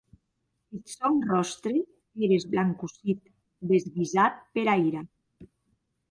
Eth sòn ròstre ère esblancossit, desguisat pera ira.